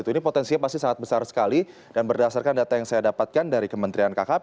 ini potensinya pasti sangat besar sekali dan berdasarkan data yang saya dapatkan dari kementerian kkp